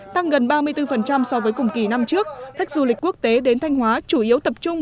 tăng gần ba mươi bốn so với cùng kỳ năm trước khách du lịch quốc tế đến thanh hóa chủ yếu tập trung